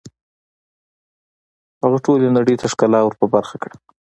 هغه ټولې نړۍ ته ښکلا ور په برخه کړه